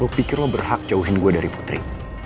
lo pikir lo berhak jauhin gue dari putri